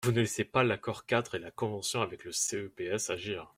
Vous ne laissez pas l’accord-cadre et la convention avec le CEPS agir.